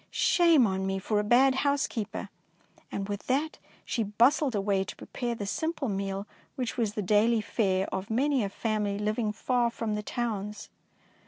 Shame on me for a bad housekeeper !" and with that she bustled away to prepare the simple meal which was the daily fare 258 DICEY LANGSTON of many a family living far from the towns.